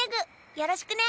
よろしくね！